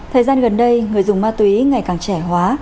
thời gian gần đây người dùng ma túy ngày càng trẻ hóa